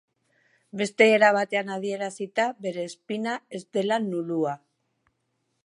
Beste era baten adierazita, bere spina ez dela nulua.